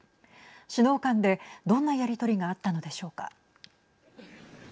首脳間で、どんなやり取りがあったのでしょうか。